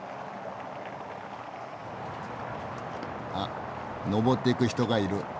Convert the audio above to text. あっ登っていく人がいる。